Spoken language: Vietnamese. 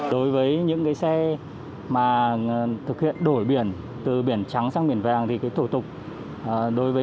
đối với những cái xe mà thực hiện đổi biển từ biển trắng sang biển vàng thì cái thủ tục đối với